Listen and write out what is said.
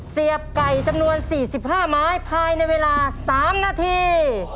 เสียบไก่จำนวน๔๕ไม้ภายในเวลา๓นาที